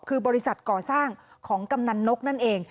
คือบริษัทก่อสร้างของกำนันนกนั่นเอง